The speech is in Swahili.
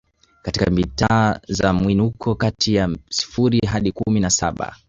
katika mita za mwinuko kati ya sifuri hadi kumi na saba